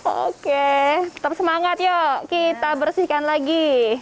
oke tetap semangat yuk kita bersihkan lagi